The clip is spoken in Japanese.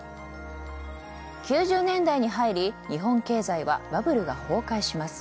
９０年代に入り日本経済はバブルが崩壊します。